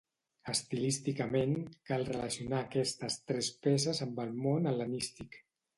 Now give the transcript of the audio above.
Estilísticament, cal relacionar aquestes tres peces amb el món hel·lenístic.